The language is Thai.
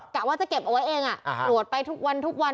กะว่าจะเก็บเอาไว้เองตรวจไปทุกวันทุกวัน